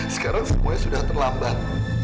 sekarang semuanya sudah terlambat